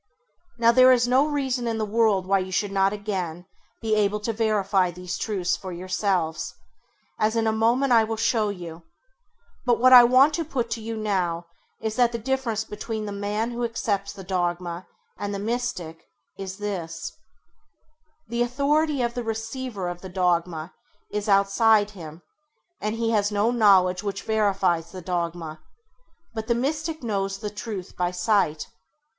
Now there is no reason in the world why you should not again be able to verify these truths for yourselves, as in a moment I will show you; but what I want to put to you now is that the difference between the man who accepts the dogma and the Mystic is this: the authority of the receiver of the dogma is outside him, and he has no knowledge which verifies the dogma; but the Mystic knows the truth by sight.